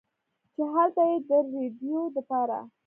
چې هلته ئې د رېډيو دپاره